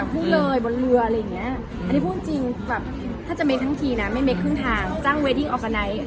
พูดเลยบนเรืออะไรอย่างเงี้ย